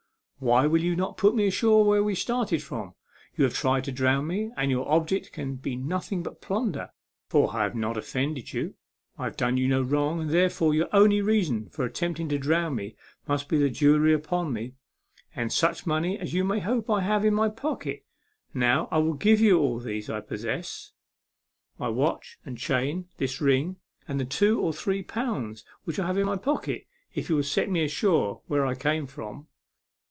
Why will you not put me ashore where we started from ? You have tried to drown me, and your object can be nothing but plunder, for I have not offended you, I have done you no wrong, and, therefore, your only reason for attempting to drown me must be the jewellery upon rne, and such money as you may hope I have in my pocket. Now, I will give you all that I possess my watch and chain, this ring, and the two or three pounds which I have in my pocket if you will set me ashore where I came from."